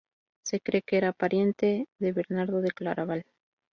Se cree que era pariente de Bernardo de Claraval.